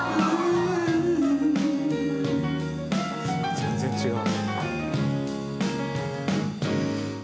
全然違う。